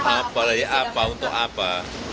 apa boleh apa untuk apa